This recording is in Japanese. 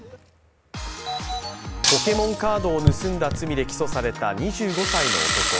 ポケモンカードを盗んだ罪で起訴された２５歳の男。